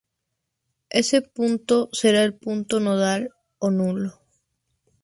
Ese punto será el punto nodal o nulo.